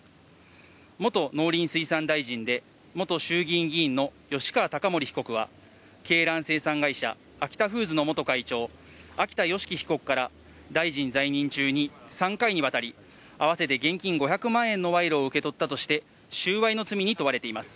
元農林水産大臣で、元衆議院議員の吉川貴盛被告は、鶏卵生産会社、アキタフーズの元会長、秋田よしき被告から、大臣在任中に３回にわたり、合わせて現金５００万円の賄賂を受け取ったとして、収賄の罪に問われています。